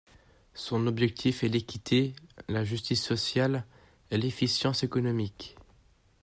Son objectif est l’équité, la justice sociale et l’efficience économique.